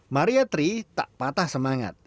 mariatri tak patah semangat